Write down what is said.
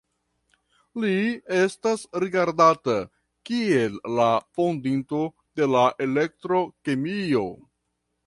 Li estas rigardata kiel la fondinto de la elektro-kemio.